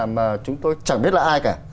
mà chúng tôi chẳng biết là ai cả